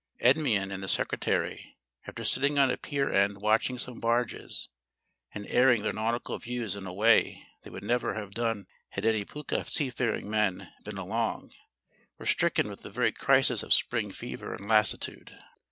Endymion and the Secretary, after sitting on a pier end watching some barges, and airing their nautical views in a way they would never have done had any pukka seafaring men been along, were stricken with the very crisis of spring fever and lassitude.